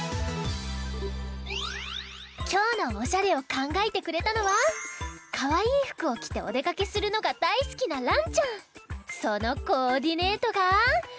きょうのおしゃれをかんがえてくれたのはかわいいふくをきておでかけするのがだいすきなそのコーディネートがこちら！